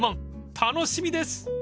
［楽しみです］